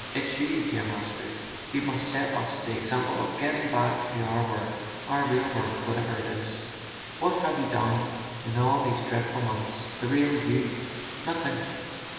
It's you, dear Master, who must set us the example of getting back to our work, our real work, whatever it is. What have you done in all these dreadful months—the real You? Nothing!